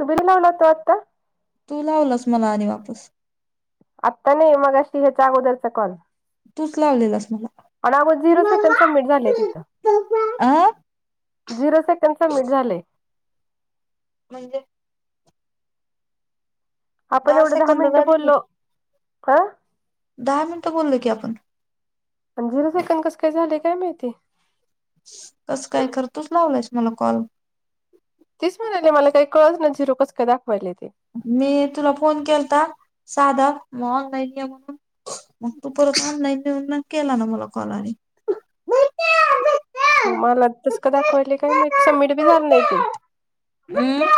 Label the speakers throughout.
Speaker 1: तुम्ही दि लाव होतो आता
Speaker 2: तू लावलस मला आणि वापस
Speaker 1: आत्ता नाही मगशी ह्याच्या अगोदरचा कॉल
Speaker 2: तूच लावलेलास मला
Speaker 1: पण अगो झिरो सेकंड सबमिट झालेय तिथं
Speaker 2: अ
Speaker 1: झिरो सेकंड सबमिट झाले
Speaker 2: म्हणजे
Speaker 1: आपण एवढं दहा
Speaker 2: सेकंद
Speaker 1: मिनटं
Speaker 2: झाले की
Speaker 1: बोललो हं
Speaker 2: दहा मिनिटं बोललो की आपण.
Speaker 1: पण झिरो सेकंद कस काय झाले काय माहिती.
Speaker 2: कसं काय खरं तूच लावला आहेस मला कॉल.
Speaker 1: तेच म्हणाले मला काही कळत ना झिरोपच काय दाखवायले ते
Speaker 2: मी तुला फोन केलता साधा मग ऑनलाईन घ म्हणून मग तू परत ऑनलाईन नऊनन केला ना मला कॉल आणि
Speaker 1: मला तस का दाखवायले काय मा सबमिट बी झालं नाही ते
Speaker 2: हम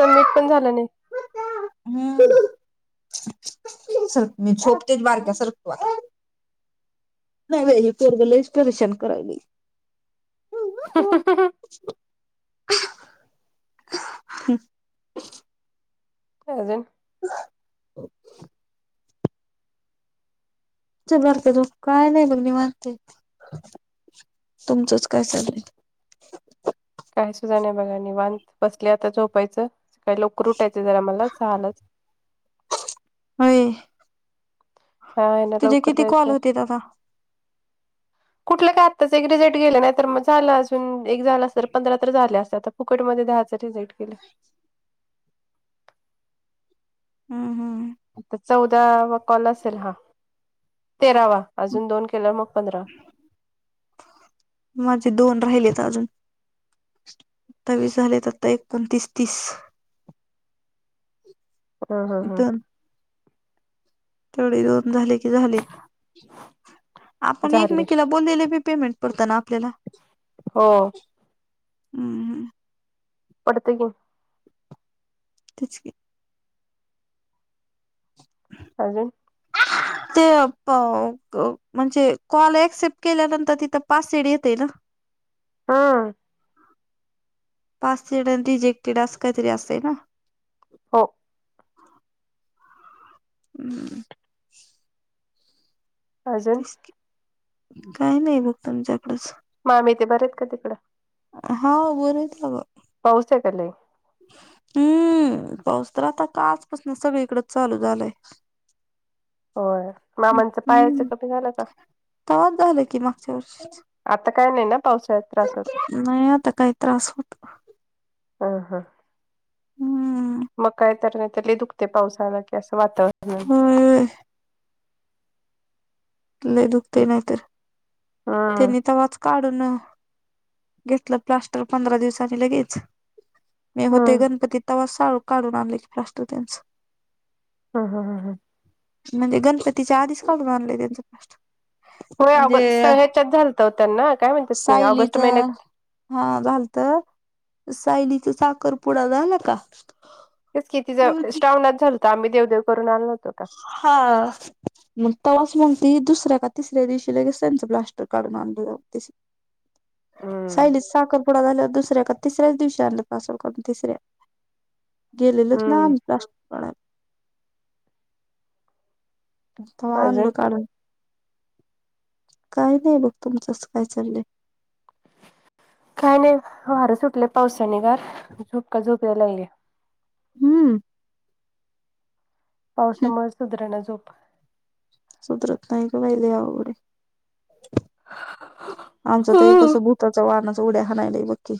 Speaker 1: सबमिट पण झालं नाही.
Speaker 2: हम्म. सरख मी झोपतेच बारक्या सरखं तू आता. नाही नाही परगलाच परेशान करायला.
Speaker 1: त्याजन.
Speaker 2: हो बारक तो काय नाही बघ मी मानते तुमचंच काय चालल.
Speaker 1: काय सु जााण बघा नि वाांध बसली आता झोपायचं काही लोकर रुटायचे जरा मला झाहालच.
Speaker 2: अ
Speaker 1: हा आहे ना
Speaker 2: तुझे
Speaker 1: लवकर
Speaker 2: किती कॉल
Speaker 1: जायचं
Speaker 2: होते आता.
Speaker 1: कुठलं काय आत्ताच एक रिझलट गेलं नाही तर मग झालं अजून एक झालं अस तर पंधरा तर झाले असतात तर. फुकट ममध्ये दहा रिझट केले.
Speaker 2: [inaudible] हम्म हम्.
Speaker 1: आता चौदा वा कॉल असेल हा तेरावा अजून दोन केलंवर मग पंधरा.
Speaker 2: माझे दोन राहिलेत अजून. त्तावीस झालेत आता एकोणतीस तीस.
Speaker 1: हा हा हा
Speaker 2: दोन तेवढे दोन झाले की झाले आपण
Speaker 1: झाले
Speaker 2: एकमेकीला. ब दिले मी पेमेंट करतता ना आपल्याला.
Speaker 1: हो
Speaker 2: हम्म हम्.
Speaker 1: पडते.
Speaker 2: त्याच. ह
Speaker 1: हजे.
Speaker 2: ह ते म्हणजे कॉल ऍक्सेप्ट केल्यानंतर तिथं पास सेड येते ना.
Speaker 1: हा.
Speaker 2: पाच जण रिजेक्टेड असं काहीतरी असतय ना.
Speaker 1: हो.
Speaker 2: हम्म.
Speaker 1: अजून
Speaker 2: तस काय नाही बघ तुमच्याकडच.
Speaker 1: मामी ते बरेच का तिकडं.
Speaker 2: हा बरच ग.
Speaker 1: पाऊसेकले.
Speaker 2: हम्म पाऊस तर आता काजपासन सगळीकडच चालू झालाय.
Speaker 1: होय मामांचं पायाच कमी झालं का.
Speaker 2: त झालं की मागच्यावर.
Speaker 1: आता काय नाही ना पावसाात
Speaker 2: नाही आता काही त्रास होतो.
Speaker 1: हा हा
Speaker 2: हम्म
Speaker 1: मग काय तर नाहीतले दुखते पावसाला असं वातावरण
Speaker 2: होय ल दुखत नाहीत
Speaker 1: हम्म
Speaker 2: त्यांनी तर वाच काढून घेतलं प्लास्टर पंधरा दिवसाांनी लगेच. मी होते
Speaker 1: हम्म
Speaker 2: गणपती तवास काढून आणले प्रास्ुतींच.
Speaker 1: ह हा ह हा.
Speaker 2: म्हणजे गणपतीच्या आधीच काास बधलेय त्यांचं फस्ट
Speaker 1: होय ऑगस् ह्याच्यात झालत त्यांना काय म्हणतात ते
Speaker 2: सायलीच
Speaker 1: ऑगस्ट महिन्यात.
Speaker 2: हा घालतं, सायलीचा साखरपुडा झाला का?
Speaker 1: तेच कि तीज श्रावणात झालता आम्ही देवदेव करून आलो नव्हतो का.
Speaker 2: हा. मग तवास मग ती दुसऱ्या का तिसऱ्या दिवशी लगेच त्यांचं प्लास्टर काढून आणलं तशी. [inaudible]
Speaker 1: हम्म
Speaker 2: सायलीस साखर पुुडा झाल्यावर दुसऱ्या का तिसऱ्याच दिवशी आलं पासल काडून तिसऱ्या. गेलेलत ना आम
Speaker 1: हम्म
Speaker 2: प्लास काढाय. तवा
Speaker 1: अजून
Speaker 2: आणलं काढून. काय नाही बघ तुमचंच काय चाललंय.
Speaker 1: काय नाही वारं सुटलं पावसाने गार झोप का झोप यायलागल्या.
Speaker 2: हम्म.
Speaker 1: पावसामुळं सुधरना झोप.
Speaker 2: सुधरत नाही ग बाई लई अवघड ये. आमचं त ये कसं भुताच वाहनाच उड्या हानायलय बक्की.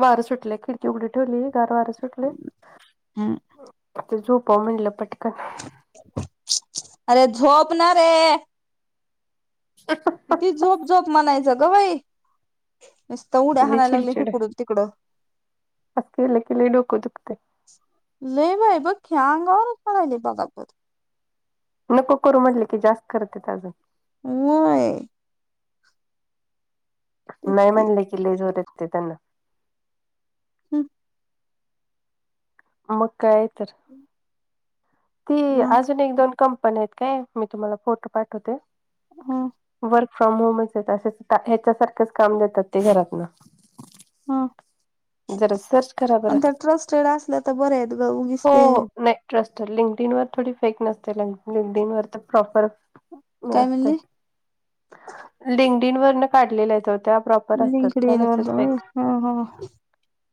Speaker 1: वार सुटलय खिडकी उघडी ठेवली गार वार सुटलय.
Speaker 2: हम्म
Speaker 1: इथं झोपाव म्हणलं पटकन.
Speaker 2: अरे झोप ना रे.
Speaker 1: हं ह.
Speaker 2: किती झोप झोप म्हणायचं ग बाई. नुसतं उड्या
Speaker 1: लई
Speaker 2: हानाय लागलय
Speaker 1: चिडचिड
Speaker 2: हिकडून तिकडं.
Speaker 1: असं केलं की लई डोकं दुखतय
Speaker 2: लई बाई बघ की अंगावरच पडायलय बगापच.
Speaker 1: नको करू म्हटले की जास्त करतात अगं.
Speaker 2: वय.
Speaker 1: नाई म्हंटल की लई जोर येतंय त्यांना.
Speaker 2: हम्मं.
Speaker 1: मग काय तर. ती
Speaker 2: मग
Speaker 1: अजून एक दोन कंपनी हाईत काय, मी तुम्हाला फोटो पाठवते.
Speaker 2: हम्म.
Speaker 1: वर्क फ्रॉम होमचेता असच का ह्याच्यासारखचं काम देतात ते घरातनं.
Speaker 2: हा.
Speaker 1: जरा सर्च करा बर.
Speaker 2: ट्रस्टेड असल्या तर बऱ्या आहेत ग उगीच
Speaker 1: हो
Speaker 2: ते
Speaker 1: हो नाही. ट्रस्ट लिंगडिन वर थोडी फेक नसते लिं लिंगडिन वर तर प्रॉपर
Speaker 2: काय म्हणली
Speaker 1: नसते. लिंगडींवरनं काढलेल्या हाईत ओ त्या प्रॉ
Speaker 2: लिंकडीन वर्ण होय हा हा.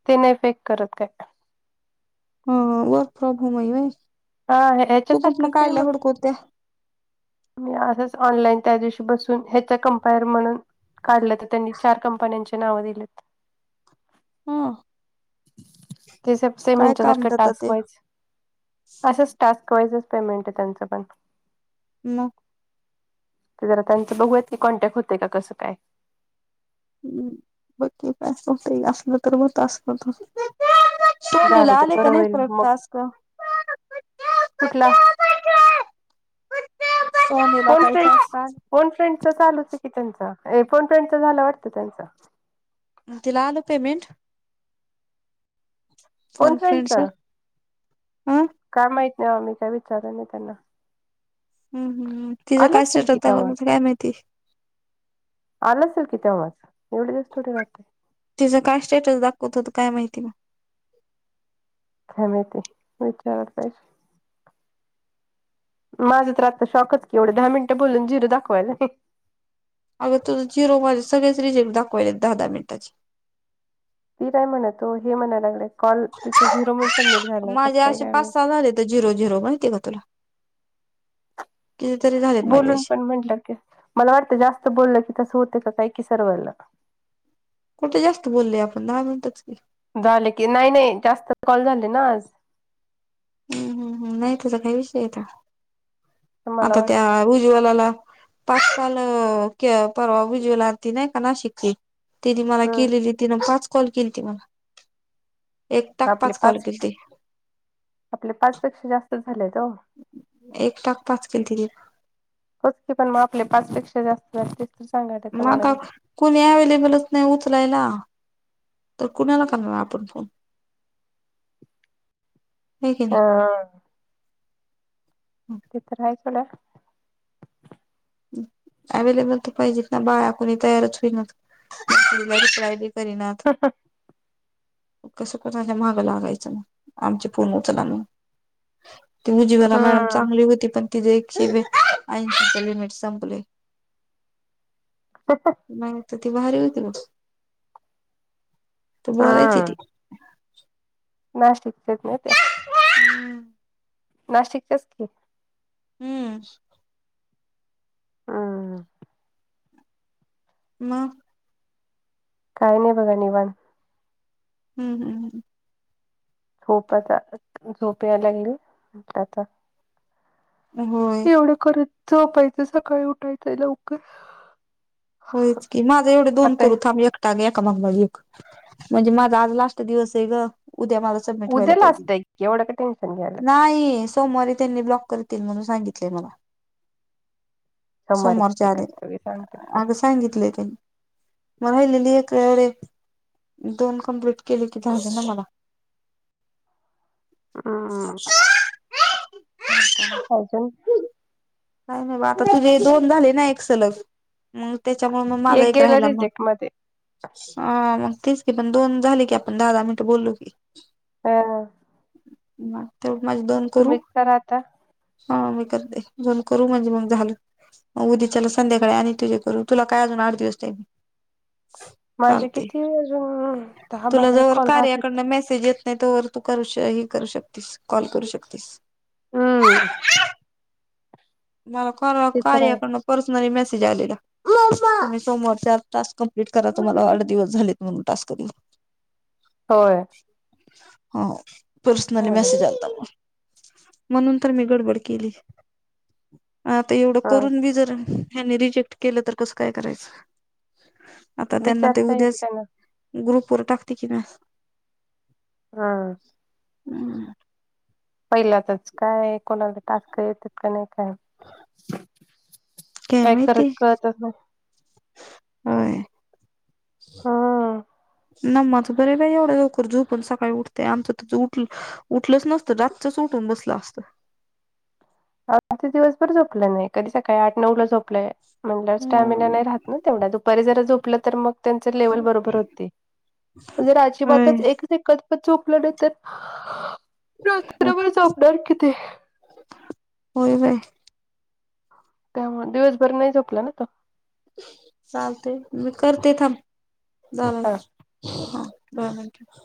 Speaker 1: ते नाही फेक करत काय.
Speaker 2: हा वर्क फ्रॉम होम हाय होय.
Speaker 1: हा
Speaker 2: तू
Speaker 1: ह्याच्यासारखं
Speaker 2: कुठूनं काढल्या
Speaker 1: सेमच
Speaker 2: हुडकून त्या?
Speaker 1: मी असंच ऑनलाईन त्या दिवशी बसून ह्याचं कमपेयर म्हणून काढलं त्यांनी चार कंपन्यांचे नावं दिलेत.
Speaker 2: हा.
Speaker 1: ते सबसेम
Speaker 2: काम
Speaker 1: हेंच्यासारखं
Speaker 2: देता
Speaker 1: टास्क
Speaker 2: ते
Speaker 1: वाईज असंच टास्क वाईजच पेमेंट आहे त्यांचं पण.
Speaker 2: न.
Speaker 1: ते जरा त्यांचं बघूयात की कॉन्टॅक्ट होतय का कसं काय.
Speaker 2: हम्म बग की काय अस होतय असलं तर मग टास्क [unintelligible] शिवानीला
Speaker 1: झालं तर
Speaker 2: आले का
Speaker 1: बरं
Speaker 2: नाहीत
Speaker 1: होईल
Speaker 2: परत
Speaker 1: मग
Speaker 2: टास्क.
Speaker 1: कुठला
Speaker 2: [unintelligible]
Speaker 1: फोन फ्रेंड्स
Speaker 2: [unintelligible]
Speaker 1: फोन फ्रेंडचं चालूचचे की तेंच ये फोन फ्रेंडचं झालं वाटतं त्यांच.
Speaker 2: म तीला आलं पेमेंट फोन फ्रेंडचं?
Speaker 1: काय माहीत नाही वा मी काय विचाराय नाही त्यांना.
Speaker 2: हम्म हम्म तिचं
Speaker 1: आलं
Speaker 2: काय
Speaker 1: असेल की
Speaker 2: सटकता
Speaker 1: तेव्हाच
Speaker 2: काय माहिती.
Speaker 1: आलंसा कि तवाच थोडी दिवस तरी राहते
Speaker 2: तिचं काय स्टेटस दाखवत होत काय माहिती मग
Speaker 1: काय माहिती, विचाराय पाहिजे. माझं तर आत्ता शॉकच की एवढे दहा मिनिटं बोलून झिर दाखवालय
Speaker 2: अग तुझ झिरो माझे सगळेच रिजेक्ट दाखवायले दहा -दहा मिनटाची
Speaker 1: मी काय म्हणतो हे म्हणाय लागल्यात कॉल तिथं झिरो म्हण सबमिट झालाय कसं काय, काय माहीत.
Speaker 2: ते झिरो, झिरो माहितीय का तुला कितीतरी झालेत माझे
Speaker 1: बोलून
Speaker 2: असे.
Speaker 1: पण म्हटलं कि, मला वाटतं जास्त बोललं की तसं होतय का काय की सर्व्हरला
Speaker 2: कुठे जास्त बोललोय आपण दहा मिनटच कि
Speaker 1: झाले की नाही नाही जास्त कॉल झाले ना आज
Speaker 2: हम् हम् नाही त्याचा काही विषय आहे का?
Speaker 1: मला
Speaker 2: आता त्या
Speaker 1: वाटत
Speaker 2: रुई वाल्याला, पाच कॉल परवा उज्वला आलंती नाहीका नाशिकची. तिने मला
Speaker 1: हम्
Speaker 2: केलेली तिनं पाच कॉल केलीती मला एक टाक पाच कॉल केलती.
Speaker 1: आपले पाच पेक्षा जास्त झालेत ओ.
Speaker 2: एक टाक पाच केलती ती
Speaker 1: होत पण मग आपले पाचपेक्षा जास्त झाले तेच तर सांगायला तुम्हाला मी
Speaker 2: मगच कुणी अव्हेलेबल नाही उचलायला तर कुणाला करणार आपण फोन. [inaudible] हाय की नाही
Speaker 1: होयय तिथं राहायचो ना
Speaker 2: अवेलेबल तर पाहिजे बाया कोणी तयारच होईनात मग श्री ला ट्राय बि करीनात
Speaker 1: हां हां
Speaker 2: कसं कुणाच्या माघ लागायचं ना आमची फोन उचला म्हणून ती मुझीबला मॅडम
Speaker 1: हम्म
Speaker 2: चांगली होती पण तिथे एकशे ऐशीच लिमिट संपलंय
Speaker 1: तस
Speaker 2: नाही म्हटलं ती भारी होती बघ तू बोलायची
Speaker 1: हम्म
Speaker 2: ती
Speaker 1: नाशिकच्याच होत्या.
Speaker 2: हम्म
Speaker 1: नाशिकच्याच कि
Speaker 2: हम्म
Speaker 1: हहं हा
Speaker 2: मग
Speaker 1: काय नाही बघा निवांत
Speaker 2: हम् हम्म ह
Speaker 1: झोपच झोप यायलागली आता, आता
Speaker 2: होय
Speaker 1: तेवढ करत झोपायचं सकाळी उठायचं हाय लवकर
Speaker 2: होयच की माझा एवढे दोन
Speaker 1: आता
Speaker 2: करू थांब एक एका मागणं एक. म्हणजे माझा आज लास्ट दिवस आहे ग उद्या माझ सबमिट व्हायला
Speaker 1: उद्या
Speaker 2: पाहिजे,
Speaker 1: लास्ट आहे की एवढं का टेन्शन घ्यायला
Speaker 2: नाही सोमवारी त्यांनी ब्लॉक करतील म्हणून सांगितलेय मला
Speaker 1: सोमवारी कुठे
Speaker 2: सोमवारच्या आधी
Speaker 1: कसबी सांगत्यात.
Speaker 2: अगं सांगितलंय त्यांनी मगं राहिलेली एक र र दोन कम्प्लीट केल कि झाल ना मला
Speaker 1: हम्म
Speaker 2: अच्छा
Speaker 1: होजून [unintelligible]
Speaker 2: काय नाही बा. आता तुझे दोन झाले ना, एक सलग. म त्याच्यामुळे म, माझा एक
Speaker 1: गेलं
Speaker 2: राहिला म.
Speaker 1: रिजेक्ट मध्ये
Speaker 2: ह मग तेच की. पण दोन झाले की. आपण दहा दहा मिनटं बोललो की.
Speaker 1: ह.
Speaker 2: मग ते माझे दोन
Speaker 1: तुम्ही्च करा आता.
Speaker 2: हो मी करते. दोन करू म्हणजे मग झालं. मग उद्याच्याला संध्याकाळी आणि तुझे करू. तुला काय अजून आठ दिवस टाईम.
Speaker 1: माझे
Speaker 2: चालतय.
Speaker 1: किती अजून दहा
Speaker 2: तुला
Speaker 1: बारा
Speaker 2: जवर
Speaker 1: कॉल राहतील
Speaker 2: कार्याकडन मेसेज ये त नाही. तवर तू करु हे करू शकतीस. कॉल करू शकतीस.
Speaker 1: हम्म
Speaker 2: मला परवा.
Speaker 1: ते तर आहे
Speaker 2: कार्याकडन पर्सनली मेसेज आलेला. तुम्ही सोमवरच्या आत टास्क कंप्लीट करा. तुम्हाला आठ दिवस झालेत म्हणून. टास्क [unintelligible]
Speaker 1: होय.
Speaker 2: हा पर्सनली
Speaker 1: ह
Speaker 2: मेसेज आलता मला. म्हणून तर, मी गडबड केली. आता एवढं
Speaker 1: ह
Speaker 2: करून बी जर, हनी रिजेक्ट केलं तर कसं काय करायचं. आता त्यांना ते
Speaker 1: विचारता येत
Speaker 2: उद्याच
Speaker 1: त्यांना
Speaker 2: ग्रुपवर टाकते कि मेसेज.
Speaker 1: ह.
Speaker 2: हम्म.
Speaker 1: पहिल्या तच काय? कोणाचा टास्क येतात का नाही काय माहित? काय करत कळतच नाही.
Speaker 2: होय.
Speaker 1: ह.
Speaker 2: नामाच तरी बाई एवढं लवकर झोपूण सकाळी उठते. आमचं त उठलं उठलंच नसतो. रातचच उठून बसलो असतो.
Speaker 1: आज ते दिवसभर झोपलं नाही. कधी सकाळी आठ नऊ ला झोपलंय. म्हणल स्टॅमिना नाही राहत. तेवढ्या. दुपारी जरा झोपलं तर मग त्यांचे लेवल बरोबर होते. म्हणजे,
Speaker 2: होय
Speaker 1: अजिबातच एक सेकंद झोपलो नाही तर,
Speaker 2: ह,
Speaker 1: रात्रभर झोपणार किती
Speaker 2: होय होय.
Speaker 1: त्यामुळ दिवसभर नाही झोपला ना तो.
Speaker 2: चालते. मी करते थांब. झाला. हा. ह, ह.